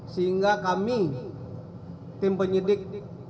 sehingga kami tim penyidik